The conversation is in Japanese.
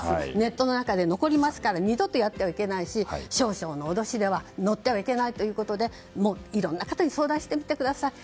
ネットなんかで残りますから二度とやってはいけないですし少々の脅しでは乗ってはいけないということでいろんな方に相談してみてください。